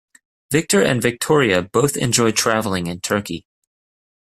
Victor and Victoria both enjoy traveling in Turkey.